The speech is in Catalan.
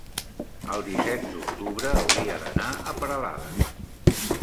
el disset d'octubre hauria d'anar a Peralada.